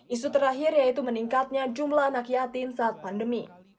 isu terakhir yaitu meningkatnya jumlah anak yatim saat pandemi